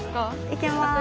いけます。